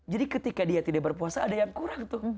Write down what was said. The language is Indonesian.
jadi ketika dia tidak berpuasa ada yang kurang tuh